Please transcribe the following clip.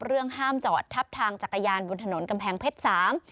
เรื่องห้ามจอดทับทางจักรยานบนถนนกำแพงเพชร๓